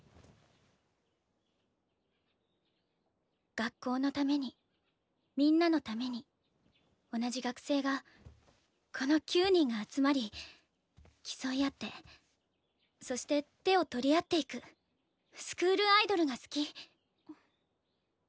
「学校のためにみんなのために同じ学生がこの９人が集まり競い合ってそして手を取り合っていくスクールアイドルが好き」。